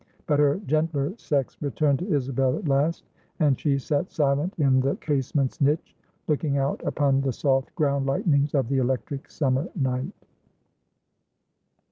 But her gentler sex returned to Isabel at last; and she sat silent in the casement's niche, looking out upon the soft ground lightnings of the electric summer night.